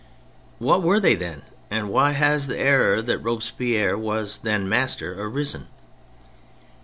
What were they then, and why has the error that Robespierre was then master, arisen